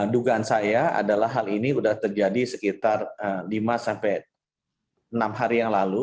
dugaan saya adalah hal ini sudah terjadi sekitar lima sampai enam hari yang lalu